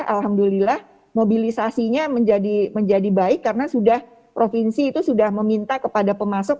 alhamdulillah mobilisasinya menjadi baik karena sudah provinsi itu sudah meminta kepada pemasok